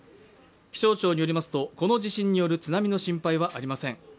気象庁によりますと、この地震による津波の心配はありません。